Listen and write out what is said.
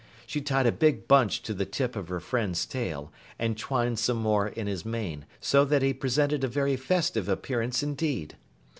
She tied a big bunch to the tip of her friend's tail and twined some more in his mane, so that he presented a very festive appearance indeed.